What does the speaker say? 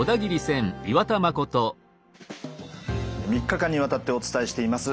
３日間にわたってお伝えしています